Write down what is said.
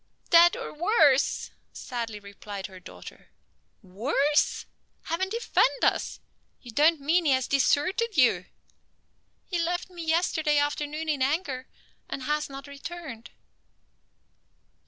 "Dead, or worse," sadly replied her daughter. "Worse? Heaven defend us! You don't mean he has deserted you?" "He left me yesterday afternoon in anger, and has not returned."